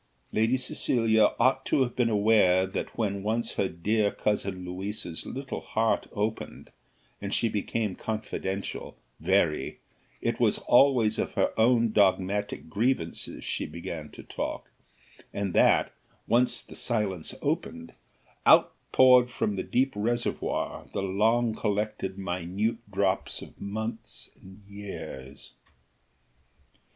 Lady Cecilia ought to have been aware that when once her dear cousin Louisa's little heart opened, and she became confidential, very, it was always of her own domestic grievances she began to talk, and that, once the sluice opened, out poured from the deep reservoir the long collected minute drops of months and years.